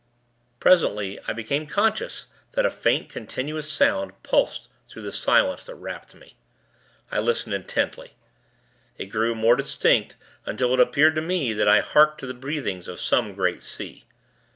Presently, I became conscious that a faint, continuous sound, pulsed through the silence that wrapped me. I listened intently. It grew more distinct, until it appeared to me that I harked to the breathings of some great sea.